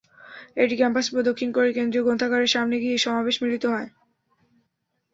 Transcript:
এটি ক্যাম্পাস প্রদক্ষিণ করে কেন্দ্রীয় গ্রন্থাগারের সামনে গিয়ে সমাবেশে মিলিত হয়।